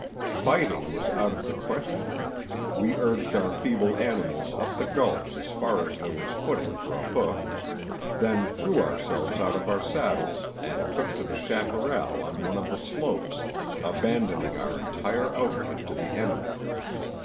Fighting was out of the question: we urged our feeble animals up the gulch as far as there was footing for a hoof, then threw ourselves out of our saddles and took to the chaparral on one of the slopes, abandoning our entire outfit to the enemy.